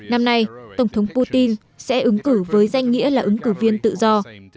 năm nay tổng thống putin sẽ ứng cử với danh nghĩa là ứng cử viên tự do